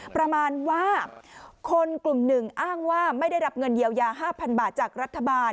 ประมาณว่าคนกลุ่มหนึ่งอ้างว่าไม่ได้รับเงินเยียวยา๕๐๐บาทจากรัฐบาล